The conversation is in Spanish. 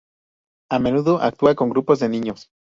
A menudo actúa con grupos de niños.